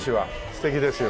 素敵ですよ